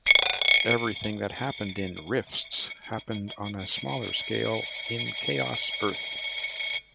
Everything that happened in "Rifts" happened on a smaller scale in "Chaos Earth".